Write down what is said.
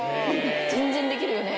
全然できるよね。